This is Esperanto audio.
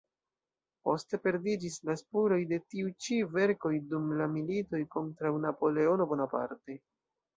Poste perdiĝis la spuroj de tiu ĉi verkoj dum la militoj kontraŭ Napoleono Bonaparte.